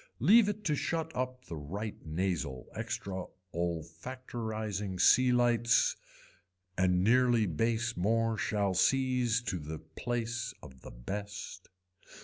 Leave it to shut up the right nasal extra ollofactorising sea lights and nearly base more shall sees to the place of the best.